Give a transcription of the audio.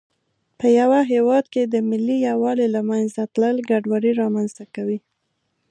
په یوه هېواد کې د ملي یووالي له منځه تلل ګډوډي رامنځته کوي.